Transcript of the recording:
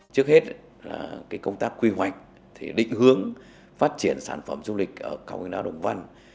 trước hết là công tác quy hoạch thì định hướng phát triển sản phẩm du lịch ở cầu nguyên đa đồng văn